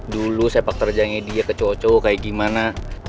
dulu sepak terjangnya dia ke cowok cowok kayak gimana